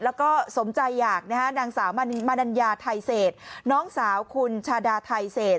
แล้วก็สมใจอยากนะฮะนางสาวมนัญญาไทยเศษน้องสาวคุณชาดาไทเศษ